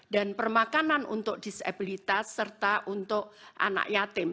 dan permakanan untuk disabilitas serta untuk anak yatim